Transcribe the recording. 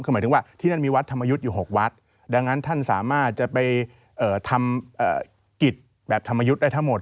คือหมายถึงว่าที่นั่นมีวัดธรรมยุทธ์อยู่๖วัดดังนั้นท่านสามารถจะไปทำกิจแบบธรรมยุทธ์ได้ทั้งหมด